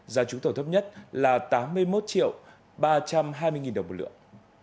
giá trúng thầu thấp nhất là tám mươi một triệu ba trăm hai mươi đồng một lượng